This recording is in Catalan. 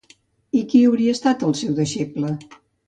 I qui hauria estat el seu deixeble?